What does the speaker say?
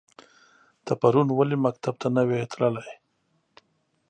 ته پرون ولی مکتب ته نه وی تللی؟